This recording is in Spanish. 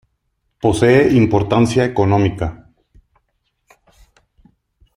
Posee importancia económica.